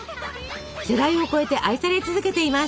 世代を超えて愛され続けています。